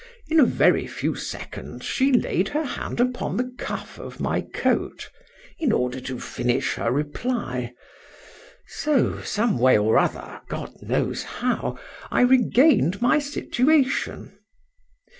In a very few seconds she laid her hand upon the cuff of my coat, in order to finish her reply; so, some way or other, God knows how, I regained my situation.